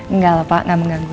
enggak lah pak nggak mengganggu